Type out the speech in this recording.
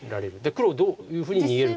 黒どういうふうに逃げるか。